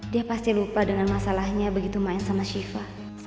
dia pasti lupa dengan masalahnya begitu main sama syifa